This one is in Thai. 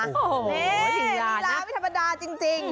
นี่ลีลาไม่ธรรมดาจริง